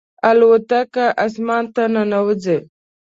الوتکه اسمان ته ننوځي.